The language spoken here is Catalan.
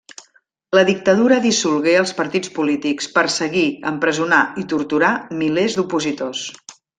La dictadura dissolgué els partits polítics, perseguí, empresonà i torturà milers d'opositors.